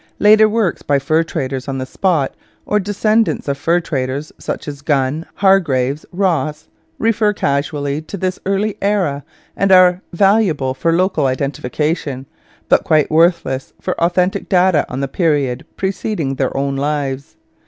Later works by fur traders on the spot or descendants of fur traders such as Gunn, Hargreaves, Ross refer casually to this early era and are valuable for local identification, but quite worthless for authentic data on the period preceding their own lives.